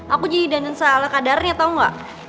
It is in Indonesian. aku jadi dandan se ala kadarnya tau gak